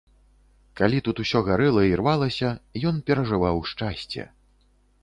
Калі тут усё гарэла і рвалася, ён перажываў шчасце.